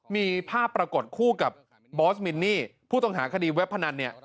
มีภาพปรากฏคู่กับบอสมินนี่ผู้ต้องหาคดีเว็บพนันเนี่ย